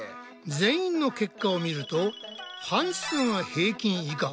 全員の結果を見ると半数が平均以下。